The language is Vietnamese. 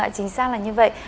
chính xác là như vậy